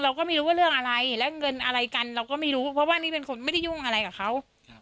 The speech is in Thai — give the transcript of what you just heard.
เราก็ไม่รู้ว่าเรื่องอะไรและเงินอะไรกันเราก็ไม่รู้เพราะว่านี่เป็นคนไม่ได้ยุ่งอะไรกับเขา